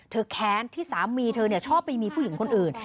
แค้นที่สามีเธอชอบไปมีผู้หญิงคนอื่น